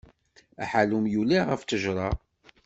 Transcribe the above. Aḥallum yuli ɣef ttejra.